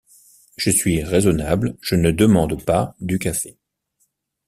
Je suis raisonnable, je ne demande pas du café...